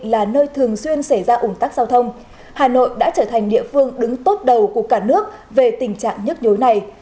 là nơi thường xuyên xảy ra ủn tắc giao thông hà nội đã trở thành địa phương đứng tốt đầu của cả nước về tình trạng nhức nhối này